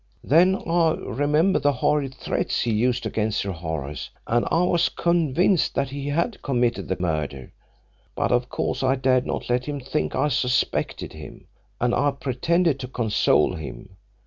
Then I remembered the horrid threats he'd used against Sir Horace, and I was convinced that he had committed the murder. But of course I dared not let him think I suspected him, and I pretended to console him.